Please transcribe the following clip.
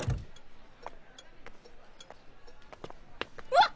わっ！